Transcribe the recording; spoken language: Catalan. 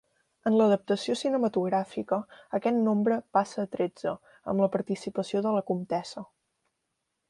En l'adaptació cinematogràfica, aquest nombre passa a tretze, amb la participació de la comtessa.